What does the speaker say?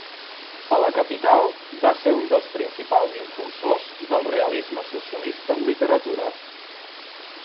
A la capital, va ser un dels principals impulsors del realisme socialista en literatura.